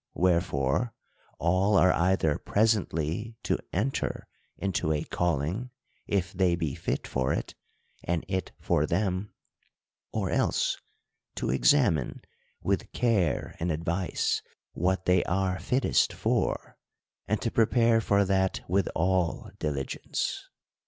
Wherefore all are either presently to enter into a calling, if they be fit for it, and it for them ; or else to examine, with care and advice, what they are fittest for, and to prepare for that with all diligence.